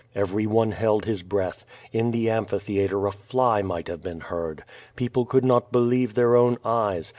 Everyone held his breath. In the am})hithcatre a fly might have been heard. People could not believe their own eyes.